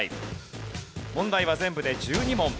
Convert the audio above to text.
問題は全部で１２問。